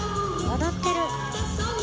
踊ってる！